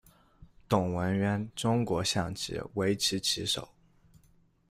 董文渊，中国象棋、围棋棋手。